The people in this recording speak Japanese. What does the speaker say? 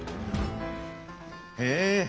へえ。